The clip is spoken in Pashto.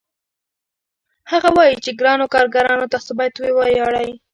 هغه وايي چې ګرانو کارګرانو تاسو باید وویاړئ